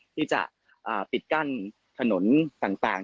ที่จะปิดกั้นถนนต่าง